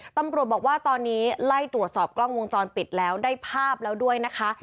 ตำรวจบอกว่าตอนนี้ไล่ตรวจสอบกล้องวงจรปิดแล้วได้ภาพแล้วด้วยนะคะ